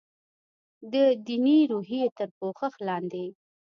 د دیني روحیې تر پوښښ لاندې.